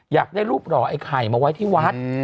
อยากได้รูปหล่อไอ้ไข่มาไว้ที่วัด